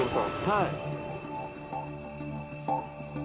はい。